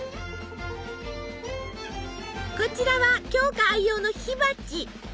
こちらは鏡花愛用の火鉢。